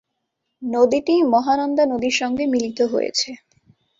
নদীটি মহানন্দা নদীর সঙ্গে মিলিত হয়েছে।